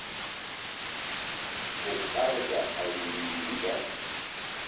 Oukalga aye bininga